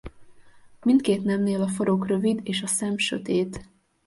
Mindkét nemnél a farok rövid és a szem sötét.